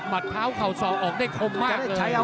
มัดเภาเขาออกได้คมมากเลย